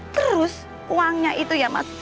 terus uangnya itu ya mas